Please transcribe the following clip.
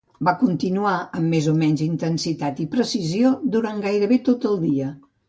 Va continuar, amb més o menys intensitat i precisió, durant gairebé tot el dia.